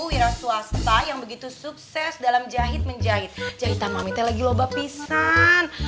ya swasta yang begitu sukses dalam jahit menjahit jahitan mami telah gila bapisan